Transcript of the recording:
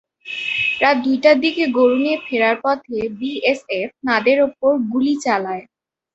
রাত দুইটার দিকে গরু নিয়ে ফেরার পথে বিএসএফ তাঁদের ওপর গুলি চালায়।